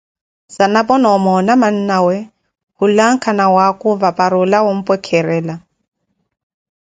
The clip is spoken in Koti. Zanapo na omoona mannawe khulanka nawakhuva para olawa ompwekherela.